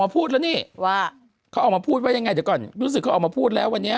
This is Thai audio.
พูดว่ายังไงเดี๋ยวก่อนรู้สึกเขาออกมาพูดแล้ววันเนี้ย